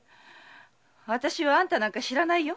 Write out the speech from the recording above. わたしはあんたなんか知らないよ。